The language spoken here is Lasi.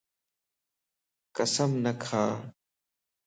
قسم نه کا